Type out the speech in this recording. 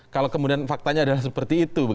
kalau kemudian faktanya adalah seperti itu